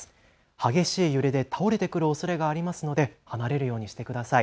激しい揺れで倒れてくるおそれがありますので離れるようにしてください。